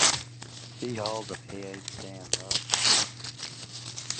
He holds a PhD in Law.